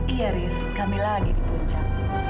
iya riz kami lagi di puncak